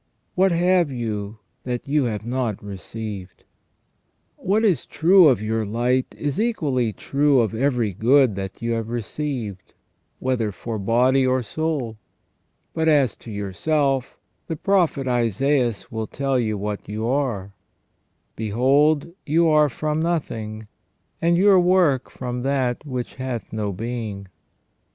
What have you that you have not received ?"* What is true of your light is equally true of every good that you have received, whether for body or soul. But as to yourself, the prophet Isaias will tell you what you * S. August. Enarrat. in Psalm, xxv. 122 SELF AND CONSCIENCE. are :" Behold, you are from nothing, and your work from that which hath no being